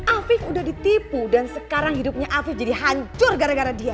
afif udah ditipu dan sekarang hidupnya afif jadi hancur gara gara dia